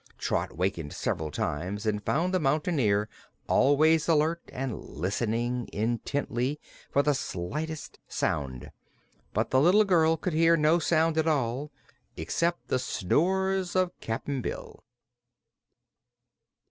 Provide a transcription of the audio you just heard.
Trot wakened several times and found the Mountain Ear always alert and listening intently for the slightest sound. But the little girl could hear no sound at all except the snores of Cap'n Bill.